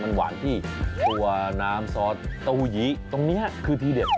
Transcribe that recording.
มันหวานที่ตัวน้ำซอสเต้ายี้ตรงนี้คือทีเด็ด